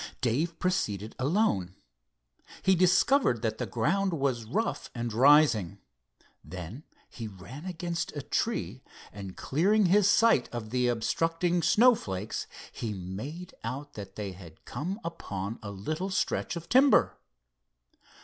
Dave proceeded alone. He discovered that the ground was rough and rising. Then he ran against a tree, and clearing his sight of the obstructing snowflakes he made out that they had come upon a little stretch of timber.